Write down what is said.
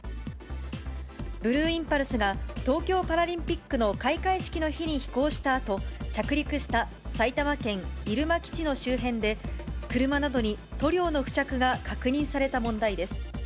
ブルーインパルスが東京パラリンピックの開会式の日に飛行したあと、着陸した埼玉県入間基地の周辺で、車などに塗料の付着が確認された問題です。